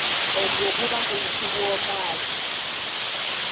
Ogwo guba guyitibwa omwazi.